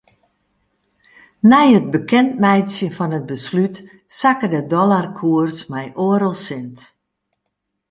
Nei it bekendmeitsjen fan it beslút sakke de dollarkoers mei oardel sint.